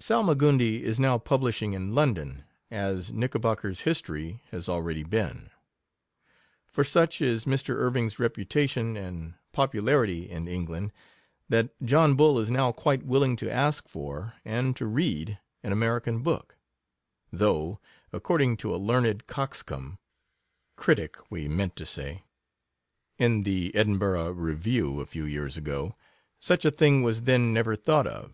Salma gundi is now publishing in London, as Knickerbocker's History has already been ; for such is Mr. Irving'^ reputation and po pularity in England, that John Bull is now quite willing to ask for, and to read, an American book ; though, according to a learned coxcomb, (critic, we meant to say,) Vllt in the Edinburgh Review a few years ago, such a thing was then never thought of.